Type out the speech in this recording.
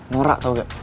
murah tau gak